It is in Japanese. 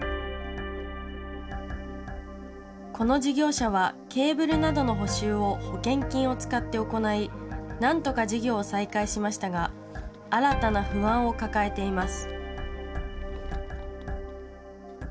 この事業者はケーブルなどの補修を保険金を使って行いなんとか事業を再開しましたが新たな不安を抱えています。